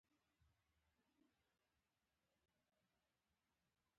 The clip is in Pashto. هغه ځان معرفي کړ چې زه ډګروال لیاخوف یم